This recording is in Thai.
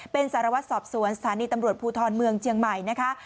เป็นสารวัตรสอบสวนสถานีตำรวจภูทรเมืองเชียงใหม่นะคะ